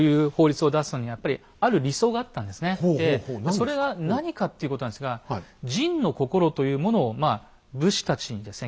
それが何かっていうことなんですが「仁の心」というものをまあ武士たちにですね